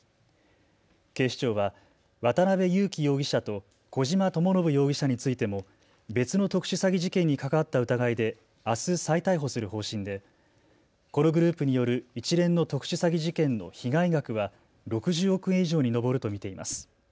警視庁は渡邉優樹容疑者と小島智信容疑者についても別の特殊詐欺事件に関わった疑いであす再逮捕する方針でこのグループによる一連の特殊詐欺事件の被害額は６０億円以上に上ると見ています。